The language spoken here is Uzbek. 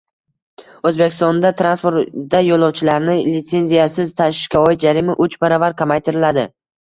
O‘zbekistonda transportda yo‘lovchilarni litsenziyasiz tashishga oid jarima uch baravar kamaytiriladi